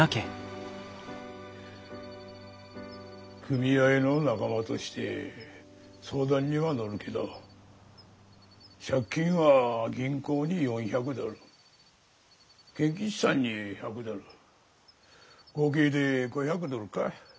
組合の仲間として相談には乗るけど借金は銀行に４００ドル賢吉さんに１００ドル合計で５００ドルか。